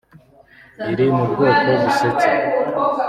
iri mu bwoko busetsa